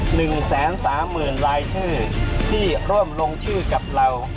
หนึ่งแสนสามหมื่นรายชื่อที่ร่วมลงชื่อกับเรา